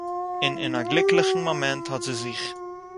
און אין אַ גליקליכן מאָמענט האָט זי זיך